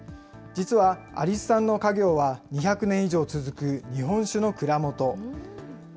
実は有巣さんの稼業は２００年以上続く日本酒の蔵元。